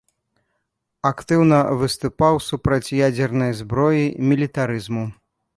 Актыўна выступаў супраць ядзернай зброі, мілітарызму.